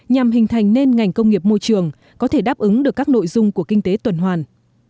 nhằm hình thành nên ngành công nghiệp môi trường có thể đáp ứng được các nội dung của kinh tế tuần hoàn